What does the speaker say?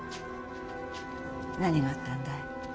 何があったんだい？